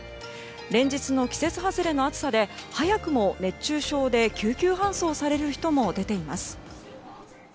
連日の季節外れの暑さで早くも熱中症で救急搬送される人も出ています。